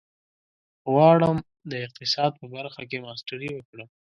غواړم د اقتصاد په برخه کې ماسټري وکړم.